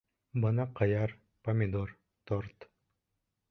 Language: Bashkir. Бына ҡыяр, помидор, торт.